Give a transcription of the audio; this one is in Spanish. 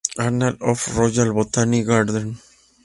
Annals of the Royal Botanic Garden.